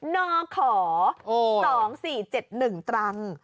นข๒๔๗๑ตรัง